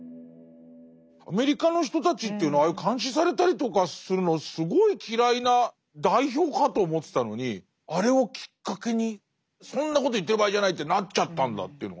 アメリカの人たちというのはああいう監視されたりとかするのすごい嫌いな代表かと思ってたのにあれをきっかけにそんなこと言ってる場合じゃないってなっちゃったんだというのは。